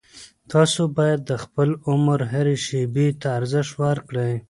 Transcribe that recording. تاسو باید د خپل عمر هرې شېبې ته ارزښت ورکړئ.